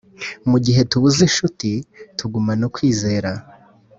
Mu gihe tubuz' inshuti, tuguman' ukwizera.